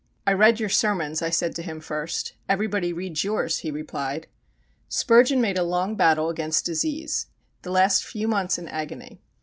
"I read your sermons," I said to him first. "Everybody reads yours," he replied. Spurgeon made a long battle against disease; the last few months in agony.